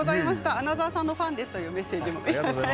穴澤さんのファンですというメッセージも。